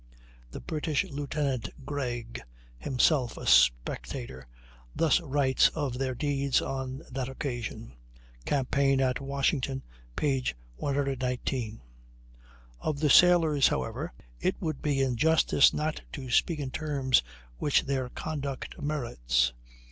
The British Lieutenant Graig, himself a spectator, thus writes of their deeds on that occasion ("Campaign at Washington," p. 119). "Of the sailors, however, it would be injustice not to speak in the terms which their conduct merits.